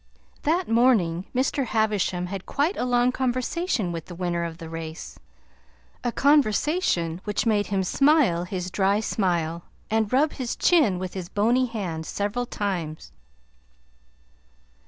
That morning Mr. Havisham had quite a long conversation with the winner of the race a conversation which made him smile his dry smile, and rub his chin with his bony hand several times.